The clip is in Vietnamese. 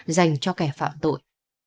dành cho kẻ phạm tội